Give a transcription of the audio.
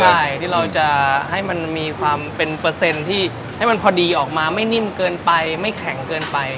ใช่ที่เราจะให้มันมีความเป็นเปอร์เซ็นต์ที่ให้มันพอดีออกมาไม่นิ่มเกินไปไม่แข็งเกินไป